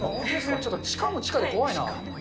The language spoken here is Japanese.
ちょっと地下も地下で怖いな。